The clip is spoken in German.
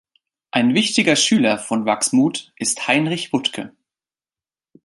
Ein wichtiger Schüler von Wachsmuth ist Heinrich Wuttke.